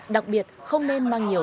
đặc biệt không nên mang nhiều